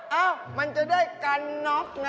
เอ้ามันจะได้กันน๊อคน่ะ